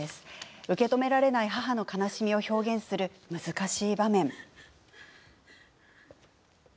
受け止められない母の悲しみを表現する難しい場面。